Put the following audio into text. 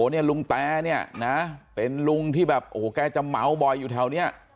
เนี่ยลุงแตเนี่ยนะเป็นลุงที่แบบโอ้โหแกจะเหมาบ่อยอยู่แถวนี้